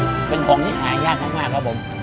เป็นของที่หายากมากครับผม